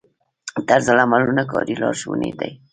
طرزالعملونه کاري لارښوونې دي